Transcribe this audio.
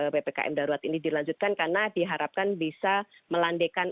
ppkm darurat ini dilanjutkan karena diharapkan bisa melandaikan